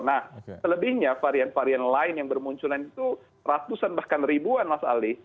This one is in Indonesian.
nah selebihnya varian varian lain yang bermunculan itu ratusan bahkan ribuan mas ali